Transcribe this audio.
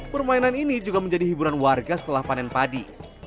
permainan ini juga menjadi hiburan warga setelah panen padi